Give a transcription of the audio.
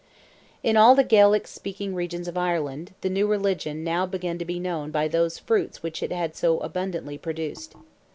In all the Gaelic speaking regions of Ireland, the new religion now began to be known by those fruits which it had so abundantly produced.